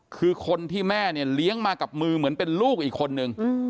คือคนที่แม่เนี่ยเลี้ยงมากับมือเหมือนเป็นลูกอีกคนนึง